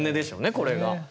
これが。